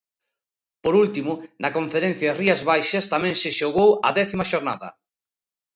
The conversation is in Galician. Por último, na Conferencia Rías Baixas tamén se xogou a décima xornada.